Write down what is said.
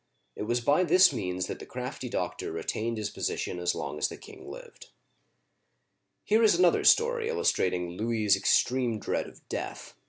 '* It was by this means that the crafty doctor retained his position as long as the king lived. Here is another story illustrating Louis's extreme dread of death.